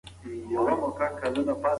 هغه بزګران چې په غره کې اوسیږي ډیر زیارکښ دي.